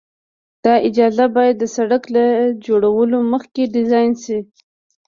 دا اجزا باید د سرک له جوړولو مخکې ډیزاین شي